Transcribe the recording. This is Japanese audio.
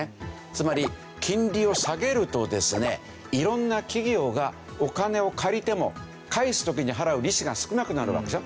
つまり金利を下げるとですね色んな企業がお金を借りても返す時に払う利子が少なくなるわけでしょ。